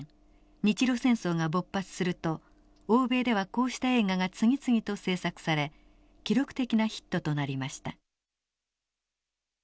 日露戦争が勃発すると欧米ではこうした映画が次々と製作され記録的なヒットとなりました。